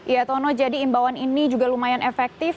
ya tono jadi imbauan ini juga lumayan efektif